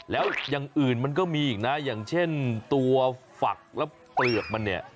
แล้วอย่างอื่นมันก็มีอีกนะอย่างเช่นตัวฝักและเปลือกมันเนี่ย